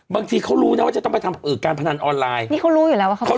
บางทีเขารู้นะว่าจะต้องไปทำเอ่อการพนันออนไลน์นี่เขารู้อยู่แล้วว่าเขา